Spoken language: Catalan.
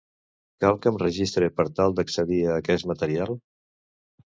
Cal que em registre per tal d'accedir a aquest material?